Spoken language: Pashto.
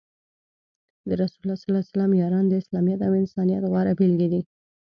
د رسول الله ص یاران د اسلامیت او انسانیت غوره بیلګې دي.